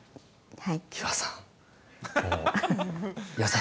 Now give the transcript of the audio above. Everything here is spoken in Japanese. はい。